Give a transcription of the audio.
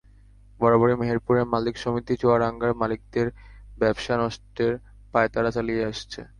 বরাবরই মেহেরপুরের মালিক সমিতি চুয়াডাঙ্গার মালিকদের ব্যবসা নষ্টের পাঁয়তারা চালিয়ে আসছে।